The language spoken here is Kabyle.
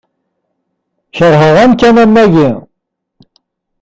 Keṛheɣ amkan am wagi.